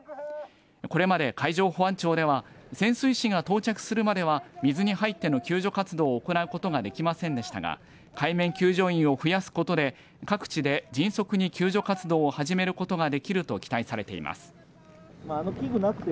これまで海上保安庁では潜水士が到着するまでは水に入っての救助活動を行うことができませんでしたが海面救助員を増やすことで各地で迅速に救助活動を始めることができると期待されています。